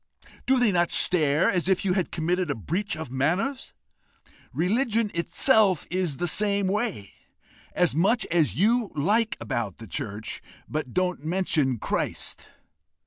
Do they not stare as if you had committed a breach of manners? Religion itself is the same way: as much as you like about the church, but don't mention Christ!